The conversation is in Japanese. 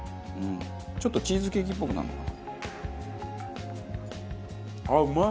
ちょっとチーズケーキっぽくなるのかな。